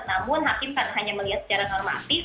namun hakim hanya melihat secara normatif